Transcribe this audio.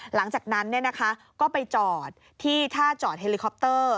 หลังจากนั้นก็ไปจอดที่ท่าจอดเฮลิคอปเตอร์